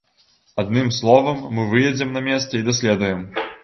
Адным словам, мы выедзем на месца і даследуем.